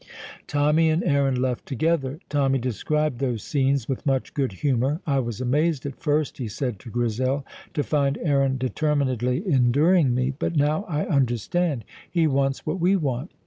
Tommy and Aaron left together! Tommy described those scenes with much good humour. "I was amazed at first," he said to Grizel, "to find Aaron determinedly enduring me, but now I understand. He wants what we want.